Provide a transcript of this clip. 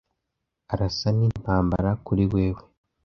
arasa n'intambara kuri wewe